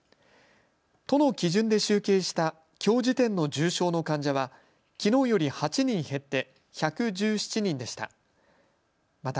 都の基準で集計したきょう時点の重症の患者はきのうより８人減って、１１７人でした。